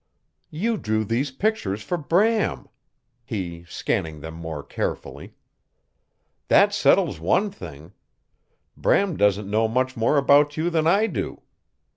"You drew these pictures for Bram," he scanning them more carefully. "That settles one thing. Bram doesn't know much more about you than, I do.